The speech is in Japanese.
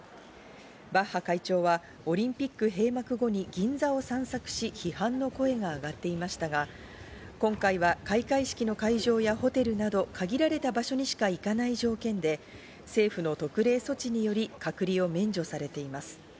バッハ会長はオリンピック閉幕後に銀座を散策し、批判の声が上がっていましたが、今回は開会式の会場やホテルなど限られた場所にしか行かない条件で政府の特例措置により隔離を免除されています。